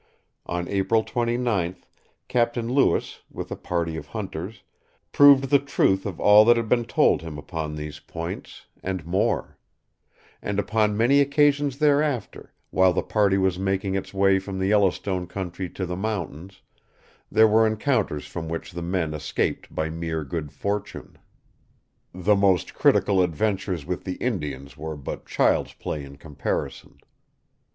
On April 29th, Captain Lewis, with a party of hunters, proved the truth of all that had been told him upon these points, and more; and upon many occasions thereafter, while the party was making its way from the Yellowstone country to the mountains, there were encounters from which the men escaped by mere good fortune. The most critical adventures with the Indians were but child's play in comparison.